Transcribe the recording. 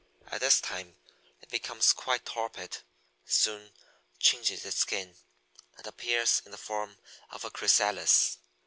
At this time it becomes quite torpid, soon changes its skin, and appears in the form of a chrysalis.